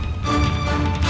kenapa kalian mengikuti ku terus